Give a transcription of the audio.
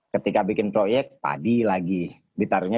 ketika bikin proyek padi lagi ditaruhnya